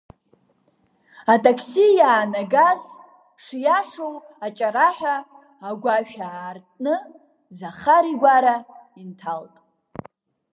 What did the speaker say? Атакси иаанагаз, шиашоу, аҷараҳәа, агәашә аартны Захар игәара инҭалт.